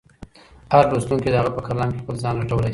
هر لوستونکی د هغه په کلام کې خپل ځان لټولی شي.